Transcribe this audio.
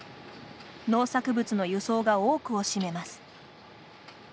農作物の輸送が多くを占めます。